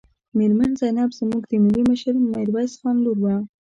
میرمن زینب زموږ د ملي مشر میرویس خان لور وه.